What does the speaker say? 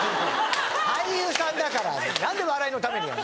俳優さんだから何で笑いのためにやんのよ。